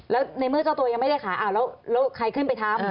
แล้วในเมื่อเจ้าตัวยังไม่ได้ขายอ้าวแล้วใครขึ้นไปทำ